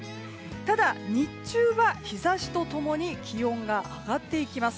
ただ、日中は日差しと共に気温が上がっていきます。